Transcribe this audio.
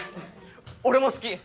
俺も好き